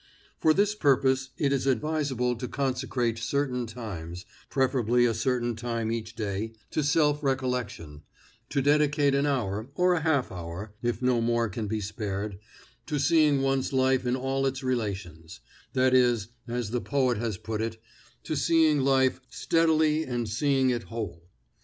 For this purpose it is advisable to consecrate certain times, preferably a certain time each day, to self recollection; to dedicate an hour or a half hour, if no more can be spared to seeing one's life in all its relations; that is, as the poet has put it, to seeing life "steadily and seeing it whole."